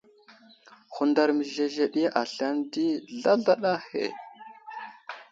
Hundar məzezeɗiya aslane di, zlazlaɗa ahe.